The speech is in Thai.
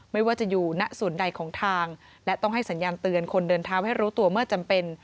ไม่ว่าจะอยู่ณส่วนใดของทางและต้องให้สัญญาณเตือนคนเดินเท้าให้รู้ตัวเมื่อจำเป็น